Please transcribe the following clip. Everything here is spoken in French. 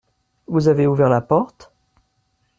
Vous avez ouvert la porte ?